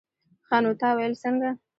ښه نو تا ويل څنگه.